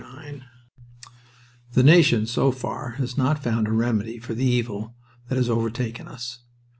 IX The nation, so far, has not found a remedy for the evil that has overtaken us.